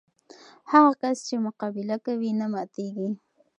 هغه کس چې مقابله کوي، نه ماتېږي.